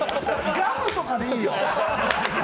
ガムとかでいいよ。